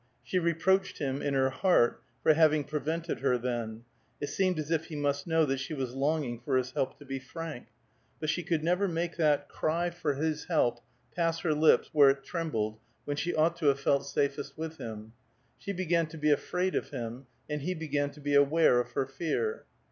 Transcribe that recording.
She reproached him in her heart for having prevented her then; it seemed as if he must know that she was longing for his help to be frank; but she never could make that cry for his help pass her lips where it trembled when she ought to have felt safest with him. She began to be afraid of him, and he began to be aware of her fear.